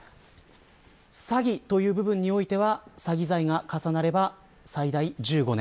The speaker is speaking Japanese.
詐欺という部分においては詐欺罪が重なれば最大１５年。